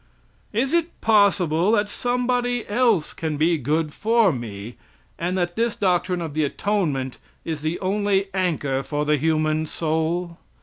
Is it possible that somebody else can be good for me, and that this doctrine of the atonement is the only anchor for the human soul?